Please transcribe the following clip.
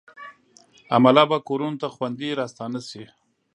عمله به کورونو ته خوندي راستانه شي.